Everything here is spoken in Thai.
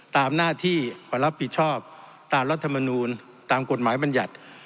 ตามหน้าที่มารับผิดชอบตามรัฐมนูลตามกฎหมายบรรยัติ